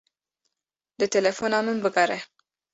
Li telefona min bigere.